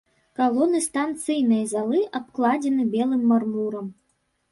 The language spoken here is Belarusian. Калоны станцыйнай залы абкладзены белым мармурам.